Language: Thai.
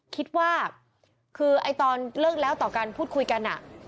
คิดว่าคือไอ้ตอนเลิกแล้วต่อกันพูดคุยกัน